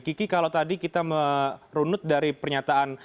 kiki kalau tadi kita merunut dari pernyataan